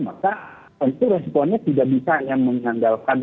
maka tentu responnya tidak bisa yang mengandalkan